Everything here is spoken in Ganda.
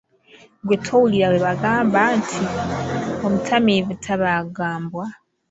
Ggwe towulira bwe bagamba nti, omutamiivu tabaaga mbwa?